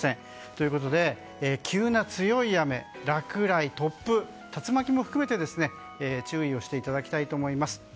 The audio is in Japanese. ということで、急な強い雨落雷、突風竜巻も含めて注意をしていただきたいと思います。